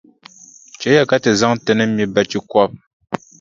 Chɛliya ka ti zaŋ ti ni mi bachikɔbʼ.